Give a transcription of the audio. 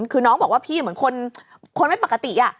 คือน้องบอกว่าพี่เหมือนคนไม่ปกติ